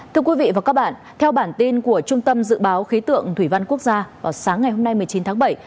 thưa quý vị và các bạn theo bản tin của trung tâm dự báo khí tượng thủy văn quốc gia vào sáng ngày hôm nay một mươi chín tháng bảy